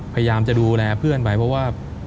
พยายามจะดูแลเพื่อนไปเพราะว่า